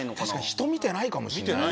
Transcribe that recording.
人見てないかもしれない。